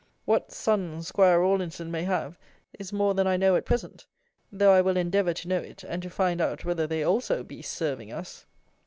What sons 'Squire Rawlinson may have is more than I know at present, though I will endeavour to know it, and to find out whether they also be serving us.